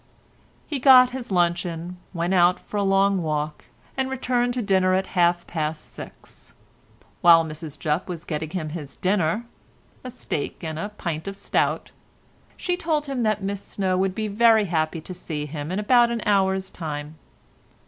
He got his luncheon, went out for a long walk, and returned to dinner at half past six. While Mrs Jupp was getting him his dinner—a steak and a pint of stout—she told him that Miss Snow would be very happy to see him in about an hour's time.